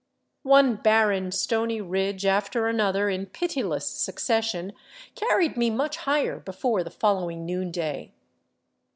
One barren, stony ridge after another in pitiless succession carried me much higher before the following noonday.